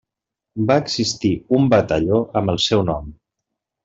Va existir un batalló amb el seu nom.